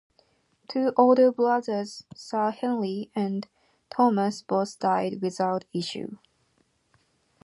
Two older brothers Sir Henry and Thomas both died without issue.